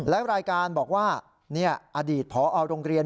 และรายการบอกว่าอดีตพอโรงเรียน